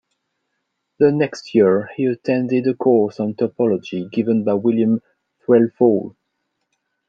The next year he attended a course on topology given by William Threlfall.